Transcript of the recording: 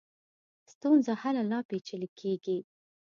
ستونزه هله لا پېچلې کېږي.